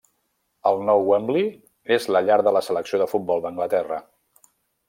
El nou Wembley és la llar de la selecció de futbol d'Anglaterra.